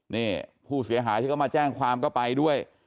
นี่ผู้เสียหายที่เขามาแจ้งความก็ไปด้วย